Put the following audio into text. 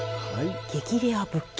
激レア物件」。